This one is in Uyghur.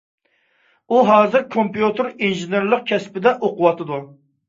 ئۇ ھازىر كومپيۇتېر ئىنژېنېرلىقى كەسپىدە ئوقۇۋاتىدۇ.